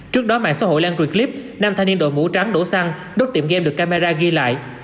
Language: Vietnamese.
trước đó mạng xã hội lan truyền clip nam thanh niên đội mũ trắng đổ xăng đốt tiệm game được camera ghi lại